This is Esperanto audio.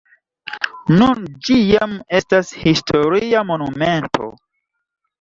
Nun ĝi jam estas historia monumento.